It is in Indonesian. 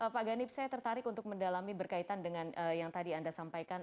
pak ganip saya tertarik untuk mendalami berkaitan dengan yang tadi anda sampaikan